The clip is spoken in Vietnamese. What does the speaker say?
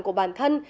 của bản thân